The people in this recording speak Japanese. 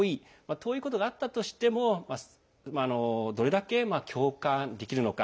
遠いことがあったとしてもどれだけ共感できるのか。